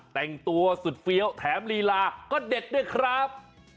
แต่งตัวสุดเฟี้ยวแถมลีลาก็เด็ดด้วยครับ